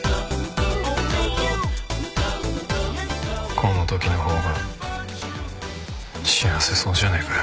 この時のほうが幸せそうじゃねえかよ。